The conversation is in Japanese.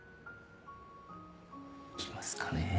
きますかね？